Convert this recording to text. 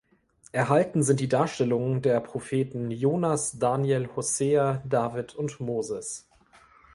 Erhalten sind die Darstellungen der Propheten Jonas, Daniel, Hosea, David und Moses.